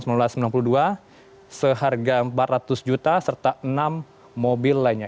seharga empat ratus juta serta enam mobil lainnya